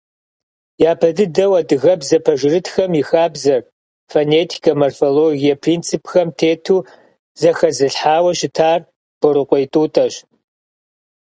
Япэ дыдэу адыгэбзэ пэжырытхэм и хабзэр фонетикэ, морфологие принципхэм тету зэхэзылъхьауэ щытар Борыкъуей Тӏутӏэщ.